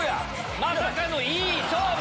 まさかのいい勝負！